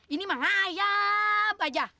ini mah ngayap aja